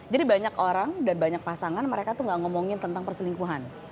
jadi banyak orang dan banyak pasangan mereka tuh gak ngomongin tentang perselingkuhan